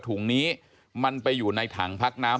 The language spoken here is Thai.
ถุงนี้มันไปอยู่ในถังพักน้ำ